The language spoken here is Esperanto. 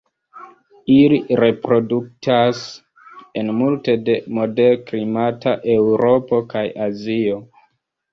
Ili reproduktas en multe de moderklimata Eŭropo kaj Azio.